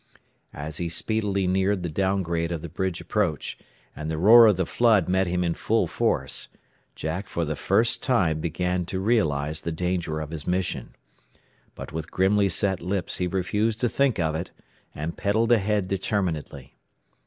As he speedily neared the down grade of the bridge approach, and the roar of the flood met him in full force, Jack for the first time began to realize the danger of his mission. But with grimly set lips, he refused to think of it, and pedalled ahead determinedly.